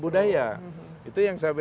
oh tidak semua